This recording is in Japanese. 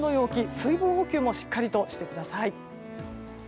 水分補給もしっかりとしてください。